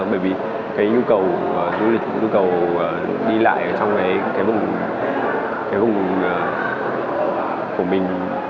bởi vì cái nhu cầu du lịch nhu cầu đi lại ở trong cái vùng của mình